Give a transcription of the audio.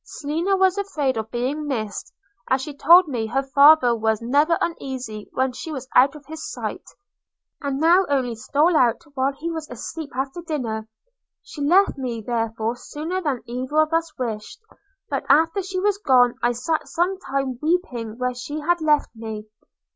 Selina was afraid of being missed, as she told me her father was never easy when she was out of his sight; and now only stole out while he was asleep after dinner. She left me therefore sooner than either of us wished; but after she was gone I sat some time weeping where she had left me.